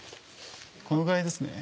このぐらいですね。